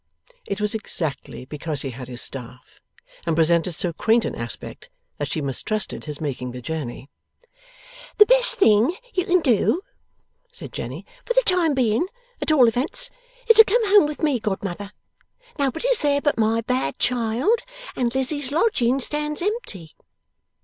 It was exactly because he had his staff, and presented so quaint an aspect, that she mistrusted his making the journey. 'The best thing you can do,' said Jenny, 'for the time being, at all events, is to come home with me, godmother. Nobody's there but my bad child, and Lizzie's lodging stands empty.